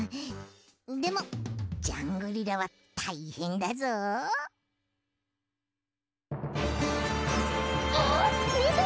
でもジャングリラはたいへんだぞ。あっみて！